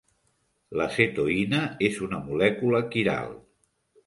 L'acetoïna és una molècula quiral.